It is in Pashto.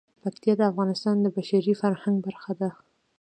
پکتیا د افغانستان د بشري فرهنګ برخه ده.